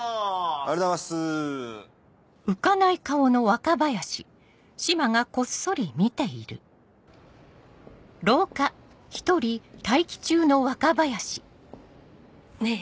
ありがとうございます。ねぇ。